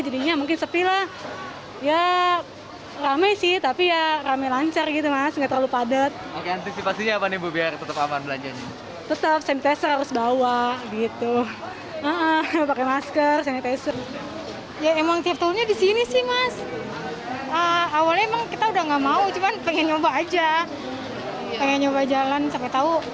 saya ingin mencoba saja ingin mencoba jalan sampai tahu ada yang bisa dibeli